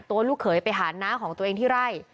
ลูกเขยไปหาน้าของตัวเองที่ไร่